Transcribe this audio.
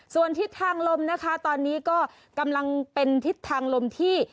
ส่วนทิศทางลมนะคะตอนนี้ก็กำลังเป็นทิศทางลมที่